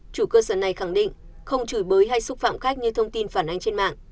chủ cơ sở này khẳng định không chửi bới hay xúc phạm khách như thông tin phản ánh trên mạng